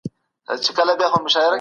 تاسو د شینو چای په څښلو مصروفه یاست.